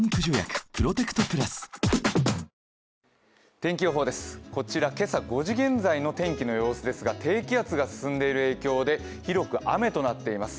天気予報です、こちら今朝５時現在の天気の予想ですが低気圧が進んでいる影響で広く雨となっています。